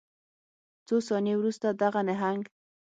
څو ثانیې وروسته دغه نهنګ